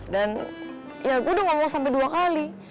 dan ya gue udah ngomong sampe dua kali